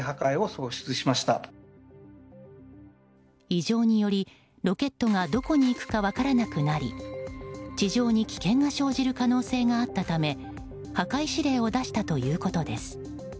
異常により、ロケットがどこに行くか分からなくなり地上に危険が生じる可能性があったため破壊指令を出したということです。